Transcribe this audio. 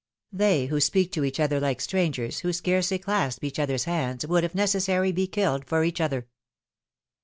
They, who speak to each other like strangers, who scarcely clasp each other's hands, would, if necessary, be killed for each other.